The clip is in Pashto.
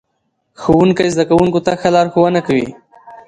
ښوونکی زده کوونکو ته ښه لارښوونه کوي